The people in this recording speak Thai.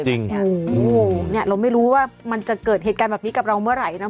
โอ้โหเนี่ยเราไม่รู้ว่ามันจะเกิดเหตุการณ์แบบนี้กับเราเมื่อไหร่นะ